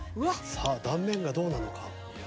さあ断面がどうなのか。